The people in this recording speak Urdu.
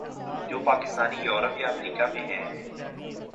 جو پاکستانی یورپ یا امریکا میں ہیں۔